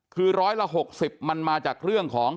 คือร้อยละ๖๐มันมาจากเรื่องของ